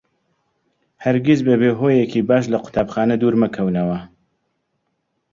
هەرگیز بەبێ هۆیەکی باش لە قوتابخانە دوور مەکەونەوە.